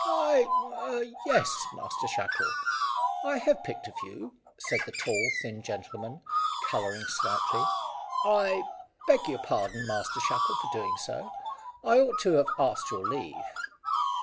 "I er yes, Master Shackle. I have picked a few," said the tall thin gentleman, colouring slightly. "I beg your pardon, Master Shackle, for doing so. I ought to have asked your leave."